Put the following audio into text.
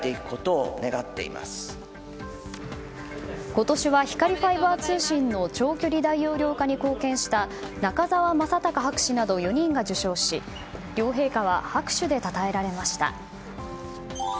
今年は光ファイバー通信の長距離大容量化に貢献した中沢正隆博士など４人が受賞し両陛下は拍手でたたえられました。